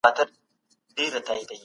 جان سبت د څېړنې د علمي میتود یادونه کړې.